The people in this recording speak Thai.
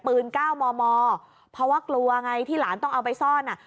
๙มมเพราะว่ากลัวไงที่หลานต้องเอาไปซ่อนอ่ะ